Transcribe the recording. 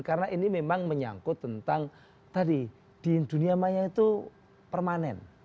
karena ini memang menyangkut tentang tadi di dunia maya itu permanen